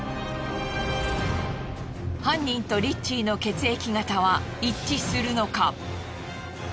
犯人とリッチーの血液型は一致するのか。